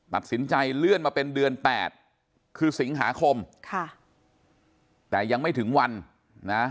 ตัดสินใจเลื่อนมาเป็นเดือนแปดคือสิงหาคมค่ะแต่ยังไม่ถึงวันนะ